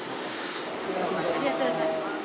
ありがとうございます。